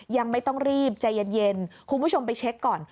ยังไม่ต้องรีบใจเย็นคุณผู้ชมไปเช็คก่อน